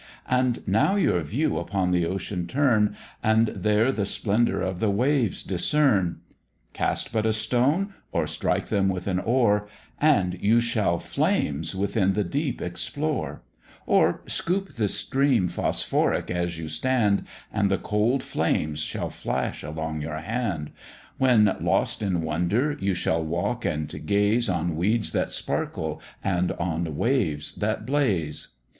And now your view upon the ocean turn, And there the splendour of the waves discern; Cast but a stone, or strike them with an oar, And you shall flames within the deep explore; Or scoop the stream phosphoric as you stand, And the cold flames shall flash along your hand; When, lost in wonder, you shall walk and gaze On weeds that sparkle, and on waves that blaze.